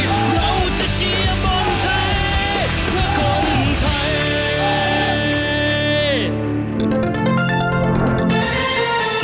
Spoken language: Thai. ของเราจะเชียร์บอลแท้เพื่อคนไทย